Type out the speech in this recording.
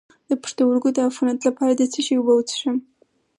د پښتورګو د عفونت لپاره د څه شي اوبه وڅښم؟